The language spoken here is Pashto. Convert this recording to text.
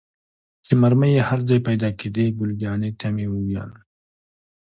چې مرمۍ یې هر ځای پيدا کېدې، ګل جانې ته مې وویل.